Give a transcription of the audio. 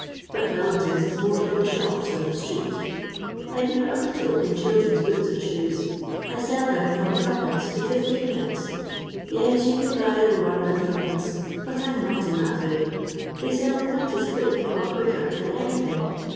but Wellingtons is more for the shops than the street. I do a little in children's boots and shoes. I sell them from Zd. to 15<i. Tes, you can buy lower than ZU., but I 'm not in that way. They sell quite as quick, or quicker, than anything.